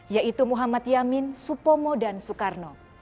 yaitu muhammad yamin supomo dan soekarno